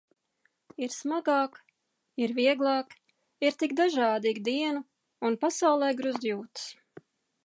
Ir smagāk, ir vieglāk, ir tik dažādi ik dienu un pasaulē gruzd jūtas.